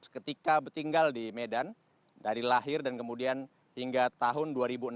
ketika tinggal di medan dari lahir dan kemudian hingga tahun dua ribu enam belas